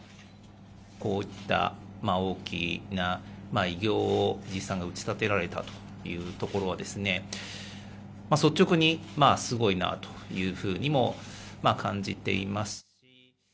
こういった大きな偉業を藤井さんが打ち立てられたというところはですね、率直にすごいなというふうにも感じています。